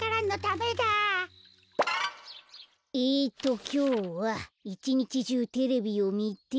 えっときょうは「いち日じゅうてれびをみて」。